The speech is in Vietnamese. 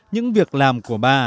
những việc làm của bà